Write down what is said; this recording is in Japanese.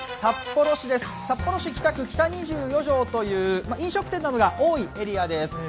札幌市北区北２４条という飲食店などが多いエリアです。